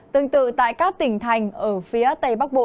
tương tự tại các tỉnh thành ở phía tây bắc bộ